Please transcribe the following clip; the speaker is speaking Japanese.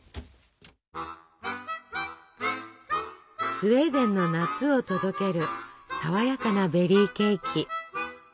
スウェーデンの夏を届ける爽やかなベリーケーキ。